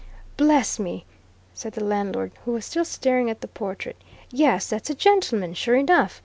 "Bless me!" said the landlord, who was still staring at the portrait. "Yes, that's the gentleman, sure enough!